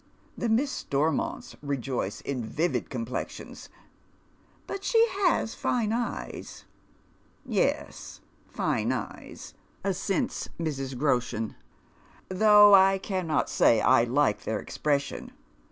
The Misa StonnontB rejoice in vivid complexions. " But she has lino eyes." "Yes, fine eyes," assents Mrs. Groshen. "Tlioiigh I cannot nay I like their oxprossion."